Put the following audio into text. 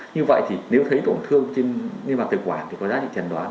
như vậy thì nếu thấy tổn thương trên ngay mặt thực quản thì có giá trị chẩn đoán